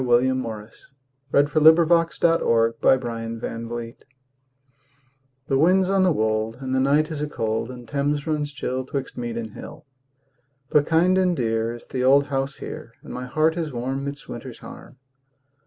William Morris Inscription for an Old Bed THE wind's on the wold And the night is a cold, And Thames runs chill 'Twixt mead and hill. But kind and dear Is the old house here And my heart is warm Midst winter's harm.